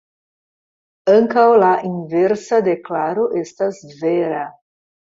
Ankaŭ la inversa deklaro estas vera.